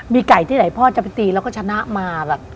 มีไก่ที่ไหนพ่อจะไปตีแล้วก็ชนะมาแบบ